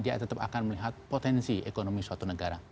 dia tetap akan melihat potensi ekonomi suatu negara